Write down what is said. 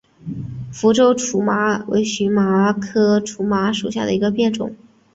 福州苎麻为荨麻科苎麻属下的一个变种。